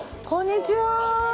こんにちは。